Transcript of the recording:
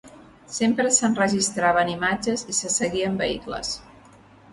Sempre s’enregistraven imatges i se seguien vehicles.